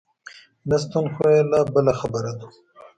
نشتون خو یې لا بله خبره ده.